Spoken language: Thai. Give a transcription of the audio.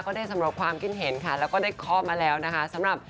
ก็ได้สำรวจความคิดเห็นค่ะแล้วก็ได้เคาะมาแล้วนะฮะ